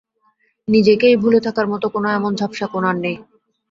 নিজেকেই ভুলে থাকার মতো কোনো এমন ঝাপসা কোণ আর নেই।